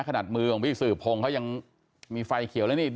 มือของพี่สื่อพงศ์เขายังมีไฟเขียวแล้วนี่